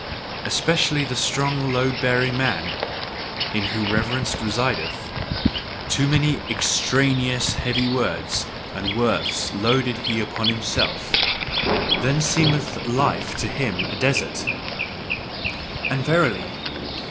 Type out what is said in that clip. Especially the strong load bearing man in whom reverence resideth. Too many EXTRANEOUS heavy words and worths loadeth he upon himself then seemeth life to him a desert! And verily!